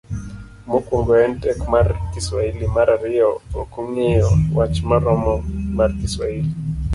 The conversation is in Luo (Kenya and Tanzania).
mokuongo en tek mar kiswahili .mar ariyo. Okong'eyo wach moromo mar kiswahili.